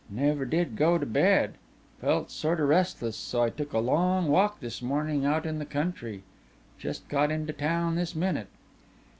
"Never did go to bed. Felt sorta restless, so I took a long walk this morning out in the country. Just got into town this minute."